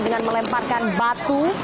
dengan melemparkan batu